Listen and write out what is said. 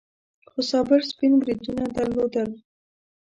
خو صابر سپين بریتونه درلودل.